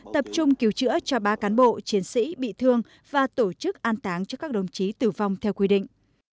tập trung cứu chữa cho ba cán bộ chiến sĩ bị thương và tổ chức an táng cho các đồng chí tử vong theo quy định